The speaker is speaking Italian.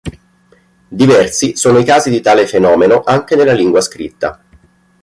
Diversi sono i casi di tale fenomeno anche nella lingua scritta.